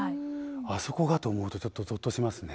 あそこがと思うとちょっとゾッとしますね。